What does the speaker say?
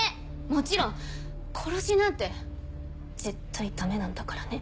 もちろん殺しなんて絶対ダメなんだからね。